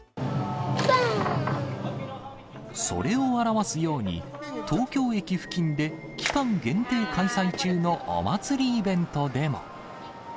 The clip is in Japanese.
それを表すように、東京駅付近で期間限定開催中のお祭りイベントでも。